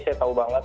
saya tahu banget